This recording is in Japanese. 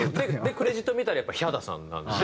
クレジット見たらやっぱりヒャダさんなんで。